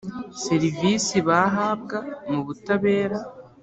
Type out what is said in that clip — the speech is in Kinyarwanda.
serivisi bahabwa mu butabera